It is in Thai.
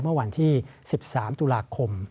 เมื่อวันที่๑๓ตุลาคม